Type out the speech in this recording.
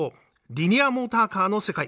リニアモーターカーの世界。